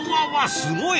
すごい！